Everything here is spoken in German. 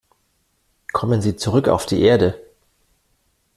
Kommen Sie zurück auf die Erde.